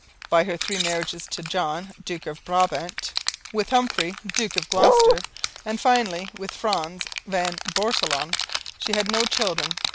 By her three marriages with John, Duke of Brabant, with Humphry, Duke of Gloucester, and, finally, with Frans van Borselen, she had no children.